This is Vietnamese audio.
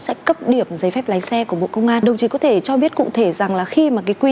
về trừ điểm giấy phép lái xe của bộ công an đồng chí có thể cho biết cụ thể rằng là khi mà cái quy